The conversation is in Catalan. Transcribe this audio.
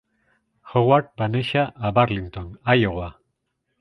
Howard va néixer a Burlington, Iowa.